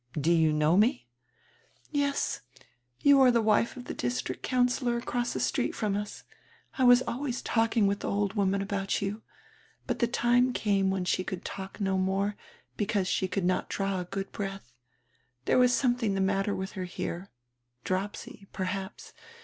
"Do you know me?" "Yes. You are die wife of die district councillor across die street from us. I was always talking with die old woman about you. But die time came when she could talk no more, because she could not draw a good breadi. There was some tiling the matter with her here, dropsy, perhaps.